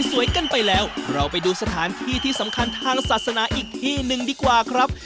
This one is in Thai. กันไปแล้วเราไปดูสถานที่ที่สำคัญทางศาสนาอีกที่หนึ่งดีกว่าครับ